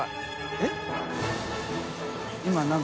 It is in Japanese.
えっ！